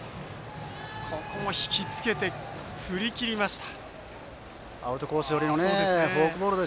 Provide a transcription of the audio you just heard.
ここも引きつけて振り切りました。